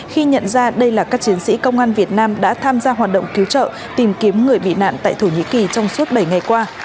khi nhận ra đây là các chiến sĩ công an việt nam đã tham gia hoạt động cứu trợ tìm kiếm người bị nạn tại thổ nhĩ kỳ trong suốt bảy ngày qua